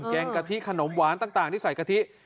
งกะทิขนมหวานต่างที่ใส่กะทิ